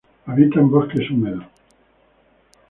Habitan bosques húmedos.